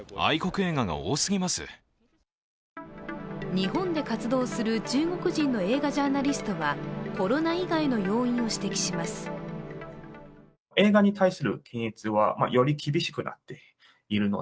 日本で活動する中国人の映画ジャーナリストはコロナ以外の要因を指摘します。